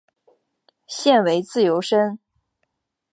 现为自由身。